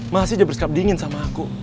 masih dia bersikap dingin sama aku